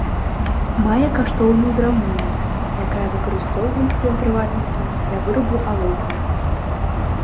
Мае каштоўную драўніну, якая выкарыстоўваецца, у прыватнасці, для вырабу алоўкаў.